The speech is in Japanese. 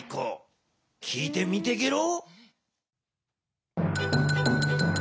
きいてみてゲロ。